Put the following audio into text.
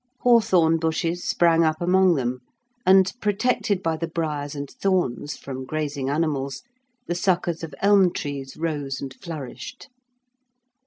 Hawthorn bushes sprang up among them, and, protected by the briars and thorns from grazing animals, the suckers of elm trees rose and flourished.